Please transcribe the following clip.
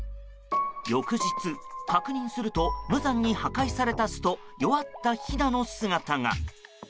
翌日、確認すると無残に破壊された巣と弱ったひなの姿が。